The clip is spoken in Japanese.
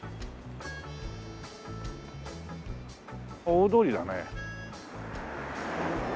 大通りだね。